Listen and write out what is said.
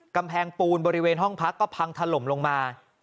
กำแพงปูนบริเวณห้องพักก็พังถล่มลงมา